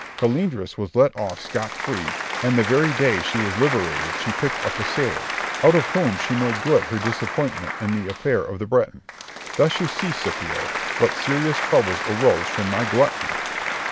Colindres was let off scot free, and the very day she was liberated she picked up a sailor, out of whom she made good her disappointment in the affair of the Breton. Thus you see, Scipio, what serious troubles arose from my gluttony.